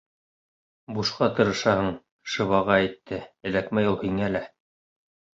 Бушҡа тырышаһың, шыбаға әйтте, эләкмәй ул һиңә лә...